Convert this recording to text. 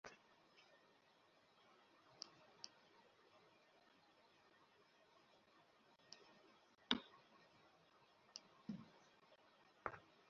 এত বছর ধরে ওর কোনো বাজে স্বভাব ছিল না।